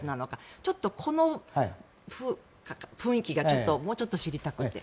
ちょっとこの雰囲気がもうちょっと知りたくて。